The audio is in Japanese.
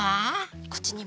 こっちにも。